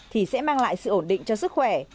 thì sẽ mang lại sự ổn định cho sức khỏe